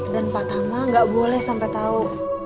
dan pak tama gak boleh sampe tau